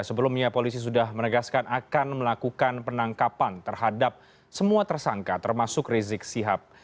sebelumnya polisi sudah menegaskan akan melakukan penangkapan terhadap semua tersangka termasuk rizik sihab